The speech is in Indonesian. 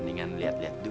mendingan lihat lihat dulu